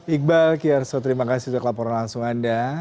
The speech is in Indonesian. iqbal kierso terima kasih sudah kelaporan langsung anda